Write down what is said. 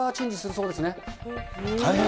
そうです。